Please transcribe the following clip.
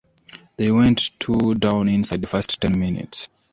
They went two down inside the first ten minutes.